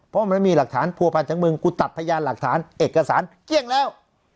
เพราะมันไม่มีหลักฐานผัวพันธ์ถึงมึงกูตัดพยานหลักฐานเอกสารเกลี้ยงแล้ว